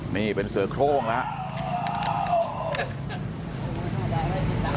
นี่เป็นเสือโครงแล้ว